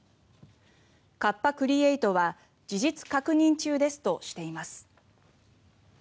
カッパ・クリエイトは事実確認中ですとしています。